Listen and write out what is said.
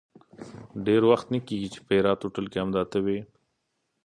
ډېر وخت نه کېږي چې په هرات هوټل کې همدا ته وې.